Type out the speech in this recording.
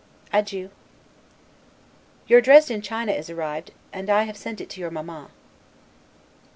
Adieu. Your Dresden china is arrived, and I have sent it to your Mamma.